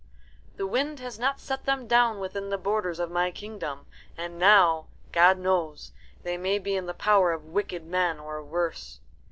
"The wind has not set them down within the boundaries of my kingdom; and now, God knows, they may be in the power of wicked men or worse."